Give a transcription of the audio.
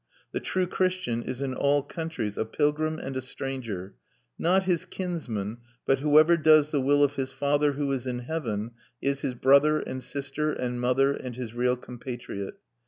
The true Christian is in all countries a pilgrim and a stranger; not his kinsmen, but whoever does the will of his Father who is in heaven is his brother and sister and mother and his real compatriot.